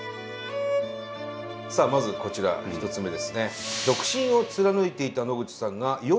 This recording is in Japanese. さあまずこちら１つ目ですね。